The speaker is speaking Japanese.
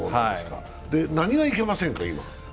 何がいけませんか、今？